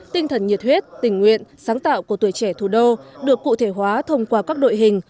tinh thần nhiệt huyết tình nguyện sáng tạo của tuổi trẻ thủ đô được cụ thể hóa thông qua các đội hình